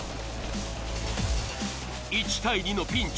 １対２のピンチ。